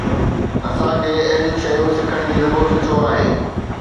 اسان کي اهڙيون شيون سکڻ جي ضرورت ڇو آهي؟